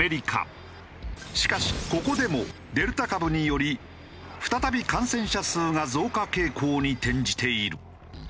しかしここでもデルタ株により再び感染者数が増加傾向に転じている。